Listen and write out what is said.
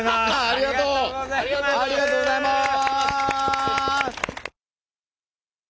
ありがとうございます！